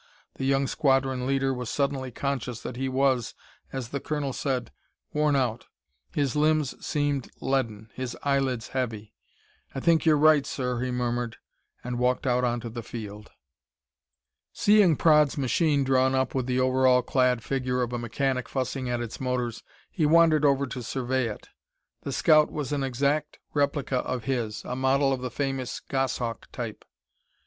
The young squadron leader was suddenly conscious that he was, as the colonel said, worn out; his limbs seemed leaden, his eyelids heavy. "I think you're right, sir," he murmured, and walked out onto the field. Seeing Praed's machine drawn up with the overall clad figure of a mechanic fussing at its motors, he wandered over to survey it. The scout was an exact replica of his, a model of the famous Goshawk type.